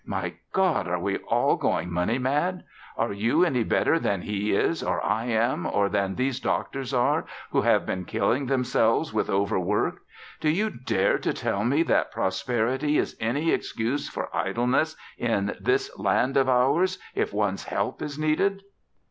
My God! Are we all going money mad? Are you any better than he is, or I am, or than these doctors are who have been killing themselves with overwork? Do you dare to tell me that prosperity is any excuse for idleness in this land of ours, if one's help is needed?"